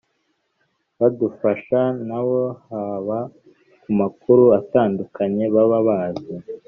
badufasha nabo haba ku makuru atandukanye baba bazi